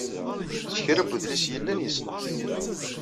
S kra n udlis yellan, yeṣleḥ.